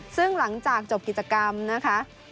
ซึ่งหลังจากจบกิจกรรมนะคะ